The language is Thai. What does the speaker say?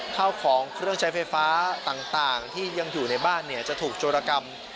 ข้าวของเครื่องใช้ไฟฟ้าต่างที่ยังอยู่ในบ้านจะถูกโจรกรรม